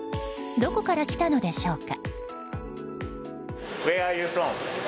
どこから来たのでしょうか？